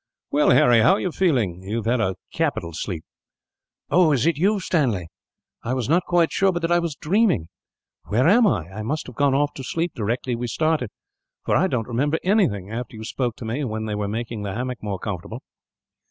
"Well, Harry, how are you feeling? You have had a capital sleep." "Oh, is it you, Stanley? I was not quite sure but that I was dreaming. Where am I? I must have gone off to sleep, directly we started; for I don't remember anything, after you spoke to me when they were making the hammock more comfortable."